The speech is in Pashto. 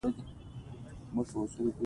ښوونځی د ملګرتیا خوند لري